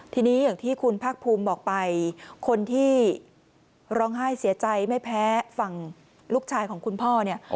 ทีนี้อย่างที่คุณภาคภูมิบอกไปคนที่ร้องไห้เสียใจไม่แพ้ฝั่งลูกชายของคุณพ่อเนี่ย